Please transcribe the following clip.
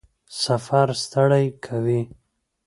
سفر ستړی کوي؟